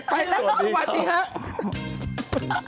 ไม่น่าจะไปพูดเลย